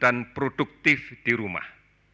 dan produktif di rumah